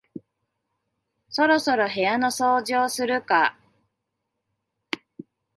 そろそろ部屋の掃除をするか